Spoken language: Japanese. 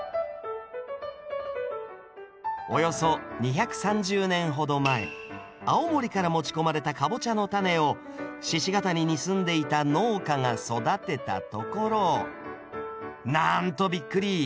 およそ２３０年ほど前青森から持ち込まれたカボチャのタネを鹿ケ谷に住んでいた農家が育てたところなんとびっくり！